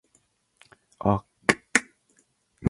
A k.k.